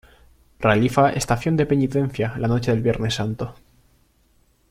Realiza estación de penitencia la noche del Viernes Santo.